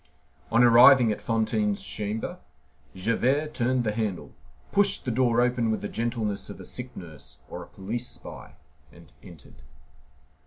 On arriving at Fantine's chamber, Javert turned the handle, pushed the door open with the gentleness of a sick nurse or a police spy, and entered.